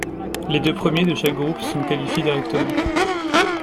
Les deux premiers de chaque groupe sont qualifés directement.